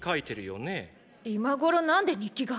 今ごろ何で日記が？